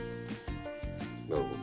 なるほど。